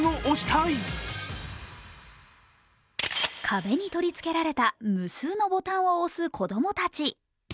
壁に取り付けられた無数のボタンを押す子供たち。